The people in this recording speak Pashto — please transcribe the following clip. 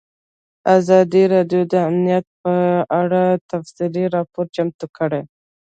ازادي راډیو د امنیت په اړه تفصیلي راپور چمتو کړی.